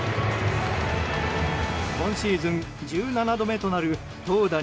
今シーズン１７度目となる投打